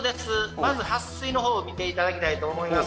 まず撥水のほうを見ていただきたいと思います